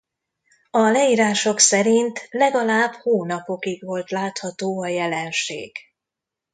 A leírások szerint legalább hónapokig volt látható a jelenség.